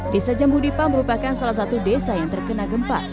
desa jambudipa merupakan salah satu desa yang terkena gempa